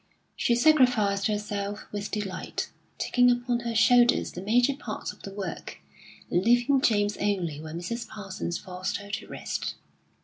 She sacrificed herself with delight, taking upon her shoulders the major part of the work, leaving James only when Mrs. Parsons forced her to rest.